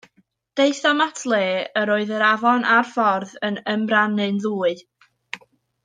Daethom at le yr oedd yr afon a'r ffordd yn ymrannu'n ddwy.